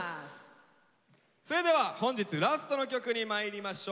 それでは本日ラストの曲にまいりましょう。